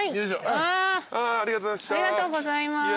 ありがとうございます。